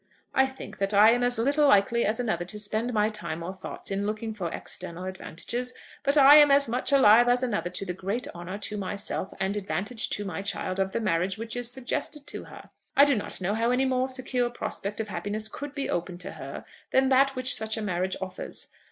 I think that I am as little likely as another to spend my time or thoughts in looking for external advantages, but I am as much alive as another to the great honour to myself and advantage to my child of the marriage which is suggested to her. I do not know how any more secure prospect of happiness could be opened to her than that which such a marriage offers.